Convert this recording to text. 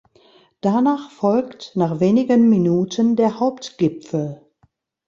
Danach folgt nach wenigen Minuten der Hauptgipfel.